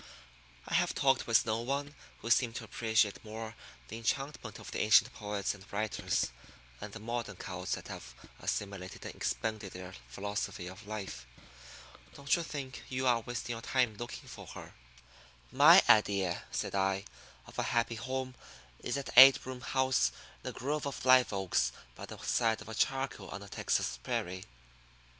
I have talked with no one who seemed to appreciate more the enchantment of the ancient poets and writers and the modern cults that have assimilated and expended their philosophy of life. Don't you think you are wasting your time looking for her?" "My idea," said I, "of a happy home is an eight room house in a grove of live oaks by the side of a charco on a Texas prairie.